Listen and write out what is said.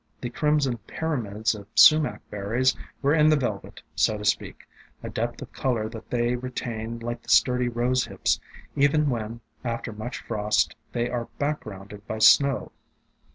The crimson pyramids of Sumac berries were in the velvet, so to speak, a depth of color that they retain, like the sturdy Rose Hips, even when, after much frost, they are backgrounded by snow.